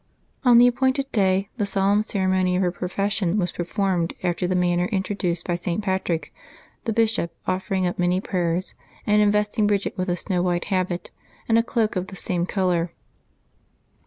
On the appointed day the solemn ceremony of her profession was performed after the manner introduced by St. Patrick, the bishop offering up many prayers, and investing Bridgid with a snow white habit, and a cloak of the same color.